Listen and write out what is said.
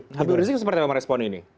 habib rizik seperti apa merespon ini